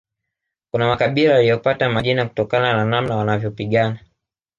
Kuna makabila yaliyopata majina kutokana na namna wanavyopigana